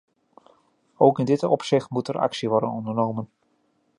Ook in dit opzicht moet er actie worden ondernomen.